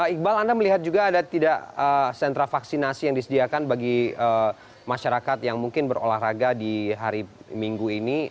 iqbal anda melihat juga ada tidak sentra vaksinasi yang disediakan bagi masyarakat yang mungkin berolahraga di hari minggu ini